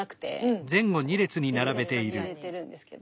入れてるんですけど。